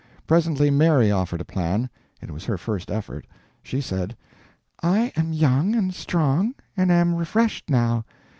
Presently Mary offered a plan; it was her first effort. She said: "I am young and strong, and am refreshed, now.